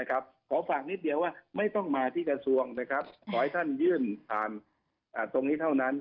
ขอฝากนิดเดียวว่าไม่ต้องมาที่กระทรวงขอให้ท่านยื่นผ่านตรงนี้เท่านั้น